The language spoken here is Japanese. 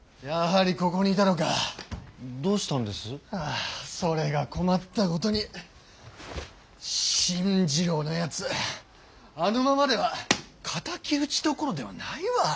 あそれが困ったことに新ニ郎のやつあのままでは敵討ちどころではないわ。